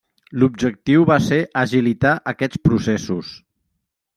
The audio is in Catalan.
L'objectiu va ser agilitar aquests processos.